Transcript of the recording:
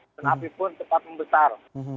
dan api pun cepat membesar